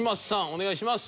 お願いします。